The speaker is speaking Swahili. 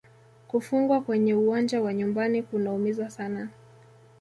Kufungwa kwenye uwanja wa nyumbani kunaumiza sana